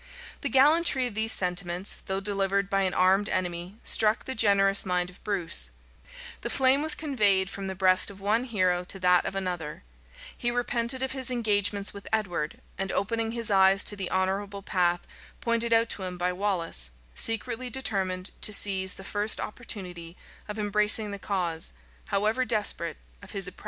The gallantry of these sentiments, though delivered by an armed enemy, struck the generous mind of Bruce: the flame was conveyed from the breast of one hero to that of another: he repented of his engagements with Edward; and opening his eyes to the honorable path pointed out to him by Wallace, secretly determined to seize the first opportunity of embracing the cause, however desperate, of his oppressed country.